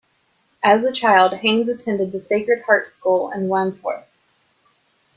As a child, Hayes attended the Sacred Heart School in Wandsworth.